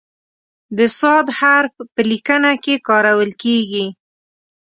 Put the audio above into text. د "ص" حرف په لیکنه کې کارول کیږي.